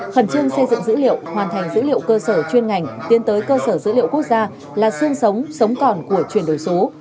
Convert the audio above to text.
khẩn trương xây dựng dữ liệu hoàn thành dữ liệu cơ sở chuyên ngành tiến tới cơ sở dữ liệu quốc gia là sương sống sống còn của chuyển đổi số